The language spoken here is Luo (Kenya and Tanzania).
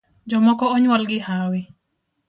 Jomoko onyuol gi hawi